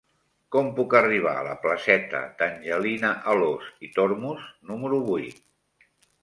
Com puc arribar a la placeta d'Angelina Alòs i Tormos número vuit?